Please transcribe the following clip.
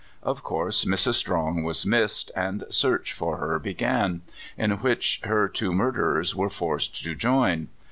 Of course Mrs. Strong was missed, and search for her betran, in which her two murderers were forced to join.